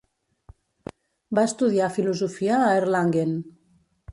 Va estudiar filosofia a Erlangen.